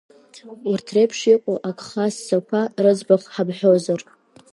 Урҭ реиԥш иҟоу агха ссақәа рыӡбахә ҳамҳәозар.